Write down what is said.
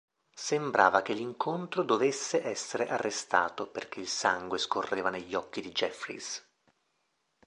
Sembrava che l'incontro dovesse essere arrestato, perché il sangue scorreva negli occhi di Jeffries.